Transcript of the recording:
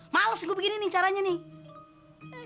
males gue begini nih caranya nih